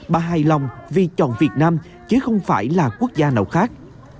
bà hài lòng vì chọn việt nam chứ không phải là quốc gia nào khác